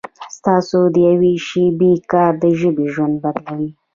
ستاسو د یوې شېبې کار د ژبې ژوند بدلوي.